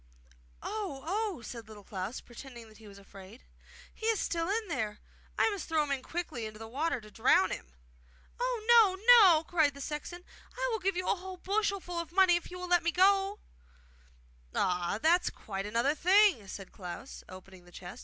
'Oh, oh!' said Little Klaus, pretending that he was afraid. 'He is still in there! I must throw him quickly into the water to drown him!' 'Oh! no, no!' cried the sexton. 'I will give you a whole bushelful of money if you will let me go!' 'Ah, that's quite another thing!' said Little Klaus, opening the chest.